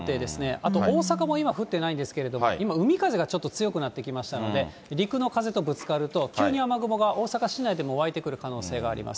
あと、大阪も今降ってないんですけれども、今、海風がちょっと強くなってきましたので、陸の風とぶつかると、急に雨雲が、大阪市内でも湧いてくる可能性があります。